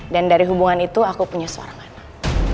dan dari hubungan itu aku punya seorang anak